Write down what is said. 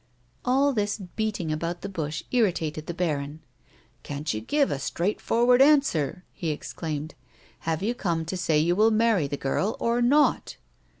All this beating about the bush irritated the baron. " Can't you give a straightforward ' answer 1 " he ex claimed. " Have you come to say you will marry the girl or not